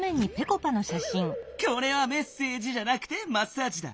これは「メッセージ」じゃなくて「マッサージ」だ！